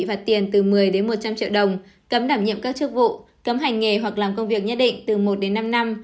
cứ một trăm linh triệu đồng cấm đảm nhiệm các chức vụ cấm hành nghề hoặc làm công việc nhất định từ một năm năm